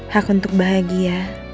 hak untuk bahagia